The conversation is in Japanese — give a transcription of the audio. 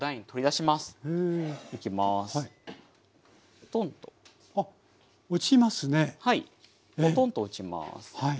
ポトンと落ちます。